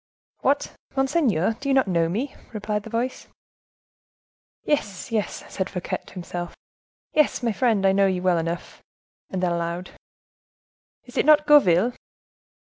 "What, monseigneur, do you not know me?" replied the voice. "Yes, yes," said Fouquet to himself, "yes, my friend, I know you well enough." And then, aloud: "Is it not Gourville?"